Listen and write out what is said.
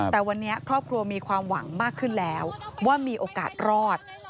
แต่วันนี้ครอบครัวมีความหวังมากขึ้นแล้วว่ามีโอกาสรอด